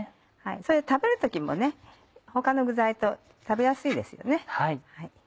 食べる時も他の具材と食べやすいですよね。